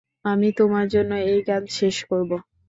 আমি তোমার জন্য এই গান শেষ করবো।